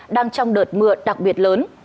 đang trong đợt mưa đặc biệt lớn